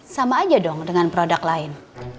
sama aja dong dengan produk lain